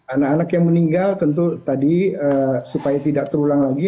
anak anak yang meninggal tentu tadi supaya tidak terulang lagi